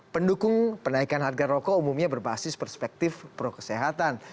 pendukung penaikan harga rokok umumnya berbasis perspektif pro kesehatan